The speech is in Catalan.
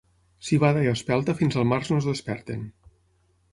Civada i espelta fins al març no es desperten.